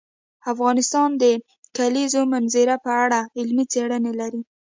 افغانستان د د کلیزو منظره په اړه علمي څېړنې لري.